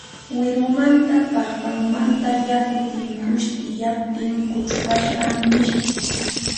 Wirumanta, paqpamanta yakun timpusqa tikayaptin kurpasqa miski